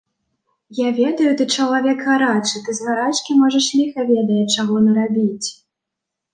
Я ведаю, ты чалавек гарачы, ты з гарачкі можаш ліха ведае чаго нарабіць.